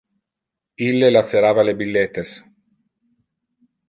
Ille lacerava le billetes.